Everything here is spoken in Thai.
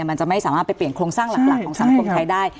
มันจะไม่สามารถไปเปลี่ยนโครงสร้างหลักของสังคมไทยได้